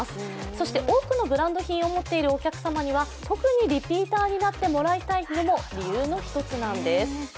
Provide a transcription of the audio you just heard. そして多くのブランドを持っているお客さんには、リピートしてもらいたいとのも理由の一つなんです。